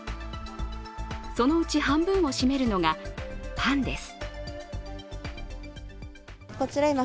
そのうち半分を占めるのがパンです。